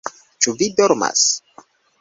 Ĉu vi dormas?